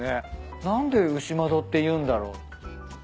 何で牛窓っていうんだろう？